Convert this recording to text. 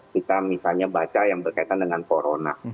kita misalnya baca yang berkaitan dengan corona